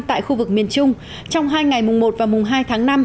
tại khu vực miền trung trong hai ngày mùng một và mùng hai tháng năm